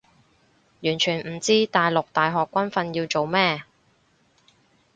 完全唔知大陸大學軍訓要做咩